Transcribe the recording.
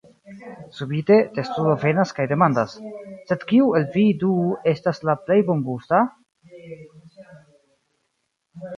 Subite, testudo venas kaj demandas: "Sed kiu el vi du estas la plej bongusta?"